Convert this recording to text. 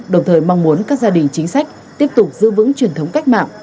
đồng thời mong muốn các gia đình chính sách tiếp tục giữ vững truyền thống cách mạng